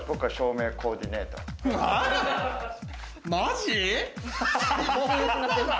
マジ？